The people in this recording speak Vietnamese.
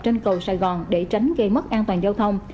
trên cầu sài gòn để tránh gây mất an toàn giao thông